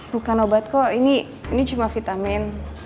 bukan obat kok ini cuma vitamin